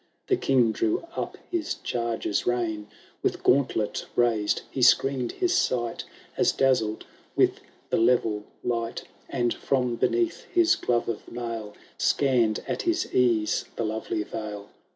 The King drew up his chaiger^s rein ; With gauntlet raised he screened his sight, As dazzled with the level light, And, from beneath his glove of mail, SoannM at his ease the lovely vale.